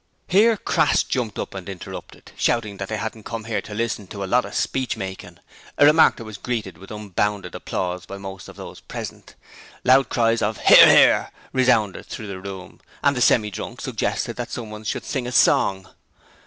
Here Crass jumped up and interrupted, shouting out that they hadn't come there to listen to a lot of speechmaking a remark that was greeted with unbounded applause by most of those present. Loud cries of 'Hear, hear!' resounded through the room, and the Semi drunk suggested that someone should sing a song.